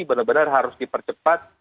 benar benar harus dipercepat